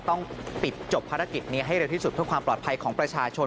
ต้องปิดจบภารกิจนี้ให้เร็วที่สุดเพื่อความปลอดภัยของประชาชน